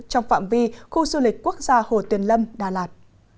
trong phạm vi khu du lịch quốc gia hồ tuyền lâm đà lạt